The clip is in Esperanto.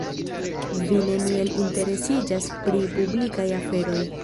Vi neniel interesiĝas pri publikaj aferoj.